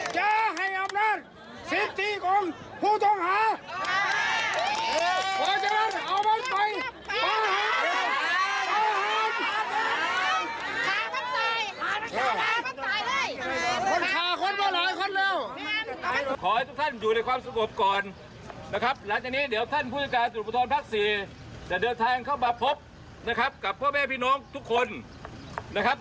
ขอให้ทุกท่านอยู่ในความสะกดก่อนนะครับหลังจากนี้เดี๋ยวท่านผู้จัดการสุรปธรรมภาค๔จะเดินทางเข้ามาพบนะครับกับพ่อแม่พี่น้องทุกคนนะครับ